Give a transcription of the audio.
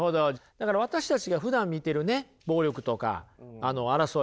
だから私たちがふだん見てるね暴力とか争い